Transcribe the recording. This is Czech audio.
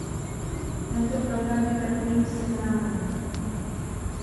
Tento program je takovým signálem.